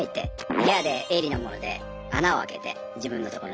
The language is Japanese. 部屋で鋭利なもので穴を開けて自分のところに。